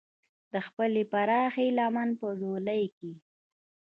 د خپلې پراخې لمن په ځولۍ کې.